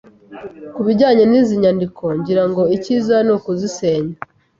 Kubijyanye nizi nyandiko, ngira ngo icyiza nukuzisenya.